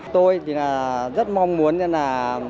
tôi thì là rất mong muốn là